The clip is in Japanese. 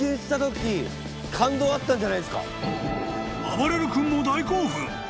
［あばれる君も大興奮！］